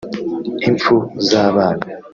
impfu z’ abana